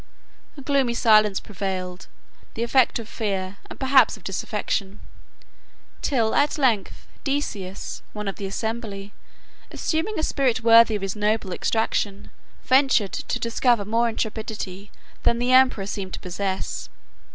A gloomy silence prevailed, the effect of fear, and perhaps of disaffection; till at length Decius, one of the assembly, assuming a spirit worthy of his noble extraction, ventured to discover more intrepidity than the emperor seemed to possess.